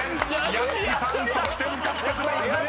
［屋敷さん得点獲得ならず！］